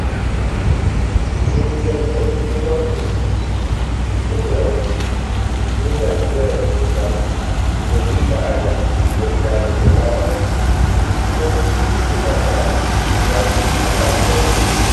Bimvum bi avɔŋ bi ngavus, bi ngawu, bi ngadzɛ mimbaŋ və bi baala bə ndaləga baba(kon angəngab nẏɔl, abam bɛ).